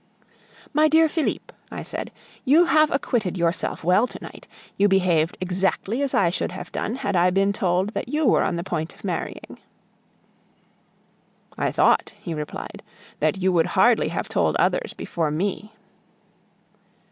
"My dear Felipe," I said, "You have acquitted yourself well to night; you behaved exactly as I should have done had I been told that you were on the point of marrying." "I thought," he replied, "that you would hardly have told others before me."